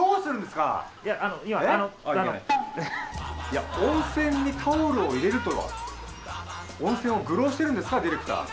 いや温泉にタオルを入れるとは温泉を愚弄してるんですかディレクター！